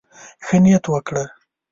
ښه نيت وکړه.